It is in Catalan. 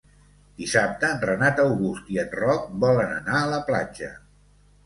Dissabte en Renat August i en Roc volen anar a la platja.